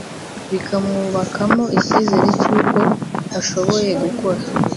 bikamwubakamo icyizere cy’uko ashoboye gukora